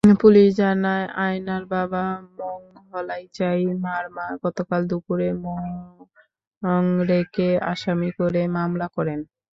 Police জানায়, আয়নার বাবা মংহলাচাই মারমা গতকাল দুপুরে মংরেকে আসামি করে মামলা করেন।